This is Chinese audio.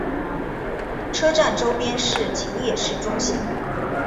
车站周边是秦野市中心。